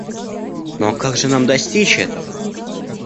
Ну а как же нам достичь этого?